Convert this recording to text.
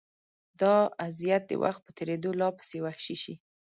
دا اذیت د وخت په تېرېدو لا پسې وحشي شي.